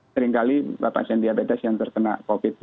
seringkali pasien diabetes yang terkena covid sembilan belas